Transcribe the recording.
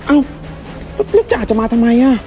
อ้าวลูกจ้าจะมาทำไมอะ